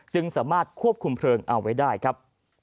จึงสามารถควบคุมเพลิงเอาไว้ได้ครับ